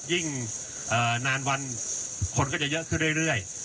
ยิ่งนานวันคนก็จะเยอะขึ้นเรื่อย